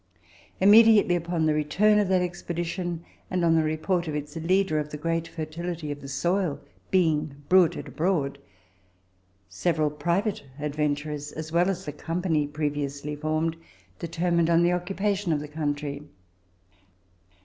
Immediately on the return of that expedition, and on the report of its leader of the great fertility of the soil being bruited abroad, several private adventurers as well as the company previously formed determined on the occupation of the country.